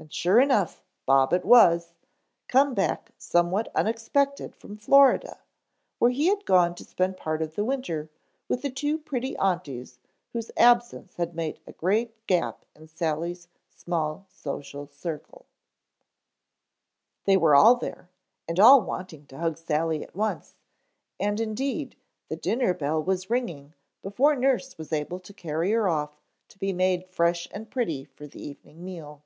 and sure enough Bob it was, come back somewhat unexpected from Florida, where he had gone to spend part of the winter with the two pretty aunties whose absence had made a great gap in Sally's small social circle. [Illustration: The new Teddy Bears proved a great acquisition] They were all there, and all wanting to hug Sally at once and indeed the dinner bell was ringing before nurse was able to carry her off to be made fresh and pretty for the evening meal.